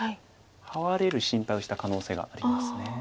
ハワれる心配をした可能性があります。